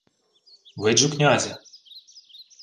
— Виджу князя.